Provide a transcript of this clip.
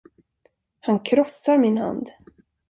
Han krossar min hand.